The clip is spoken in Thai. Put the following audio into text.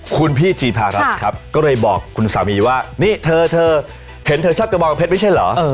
คุณพี่จีภารัฐครับก็เลยบอกคุณสามีว่านี่เธอเห็นเธอชอบกระบองเพชรไม่ใช่เหรอ